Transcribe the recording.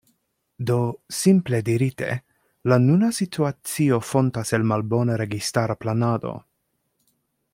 Do, simple dirite, la nuna situacio fontas el malbona registara planado.